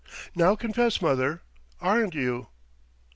Now confess, mother, aren't you?"